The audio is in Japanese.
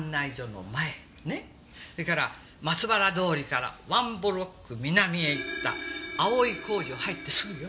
それから松原通から１ブロック南へ行った葵小路を入ってすぐよ。